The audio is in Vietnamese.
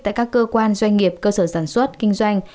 tại các cơ quan doanh nghiệp cơ sở sản xuất kinh doanh